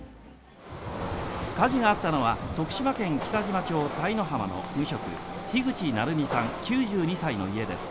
火事があったのは徳島県北嶋町鯛浜の無職、樋口ナルミさん、９２歳の家です。